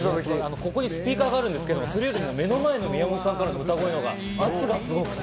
ここにスピーカーがあるんですけど、それよりもここに来た時の宮本さんの声の圧がすごくて。